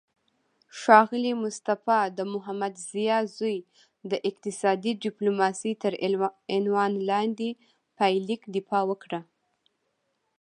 ښاغلی مصطفی د محمدضیا زوی د اقتصادي ډیپلوماسي تر عنوان لاندې پایلیک دفاع وکړه